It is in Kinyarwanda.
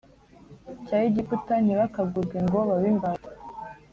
cya Egiputa ntibakagurwe ngo babe imbata